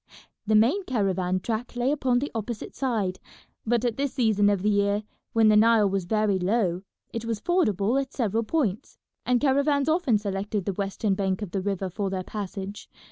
The main caravan track lay upon the opposite side, but at this season of the year, when the Nile was very low, it was fordable at several points, and caravans often selected the western bank of the river for their passage.